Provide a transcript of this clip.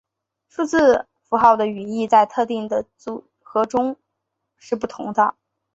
数字符号的语义在其特定的组合中是不同的。